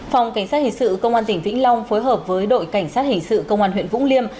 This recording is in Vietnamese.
phòng cảnh sát hình sự công an tỉnh vĩnh long phối hợp với đội cảnh sát hình sự công an huyện vũng liêm